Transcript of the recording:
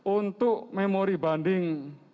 untuk memori banding